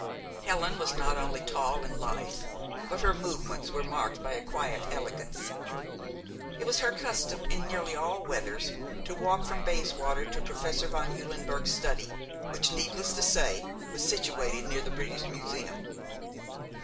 Helen was not only tall and lithe, but her movements were marked by a quiet elegance. It was her custom, in nearly all weathers, to walk from Bayswater to Professor von Eulenberg's study, which, needless to say, was situated near the British Museum.